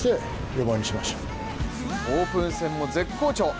オープン戦も絶好調。